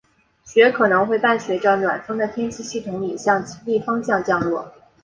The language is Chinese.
雪可能会伴随着暖锋的天气系统里向极地方向降落。